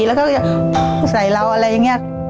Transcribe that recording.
แล้วก็จะใส่เราอะไรอย่างนี้